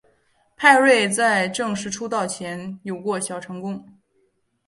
派瑞在正式出道前有过小成功。